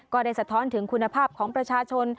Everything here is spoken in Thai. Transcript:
สะท้อนถึงคุณภาพของประชาชน